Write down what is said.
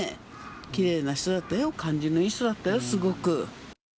きれいな人だったよ、感じのいい人だったよ、すごく。